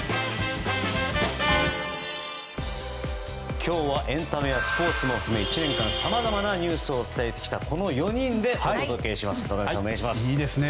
今日はエンタメやスポーツも含め１年間、さまざまなニュースを伝えてきたこの４人でお伝えします。